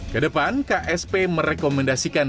kedepan ksp merekomendasikan